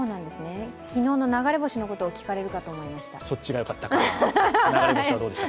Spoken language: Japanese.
昨日の流れ星のことを聞かれるかと思いました。